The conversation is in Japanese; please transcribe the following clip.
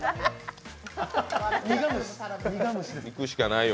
いくしかないよ